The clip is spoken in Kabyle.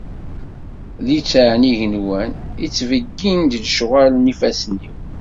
Litteɛ n yigenwan ittbeyyin-d lecɣal n yifassen-is.